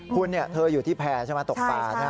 คุณเนี่ยเธออยู่ที่แพร่ใช่ไหมตกป่า